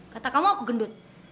kata kamu aku gendut